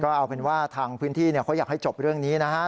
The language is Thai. เอาเป็นว่าทางพื้นที่เขาอยากให้จบเรื่องนี้นะฮะ